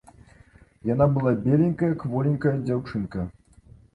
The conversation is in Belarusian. Яна была беленькая, кволенькая дзяўчынка.